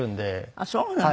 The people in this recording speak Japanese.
あっそうなの。